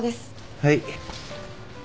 はい。